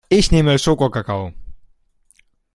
Ich nehme Schokokakao.